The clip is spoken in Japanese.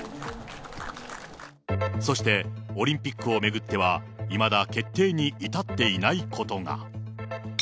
そして、オリンピックを巡っては、いまだ決定に至っていないことが。